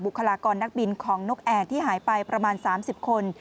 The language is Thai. คลากรนักบินของนกแอร์ที่หายไปประมาณ๓๐คน